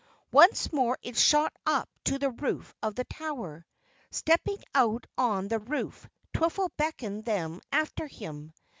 Once more it shot up to the roof of the tower. Stepping out on the roof, Twiffle beckoned them after him.